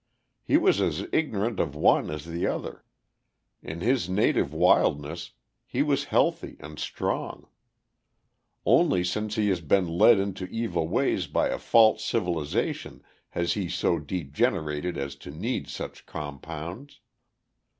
He was as ignorant of one as the other. In his native wildness he was healthy and strong; only since he has been led into evil ways by a false civilization has he so degenerated as to need such compounds.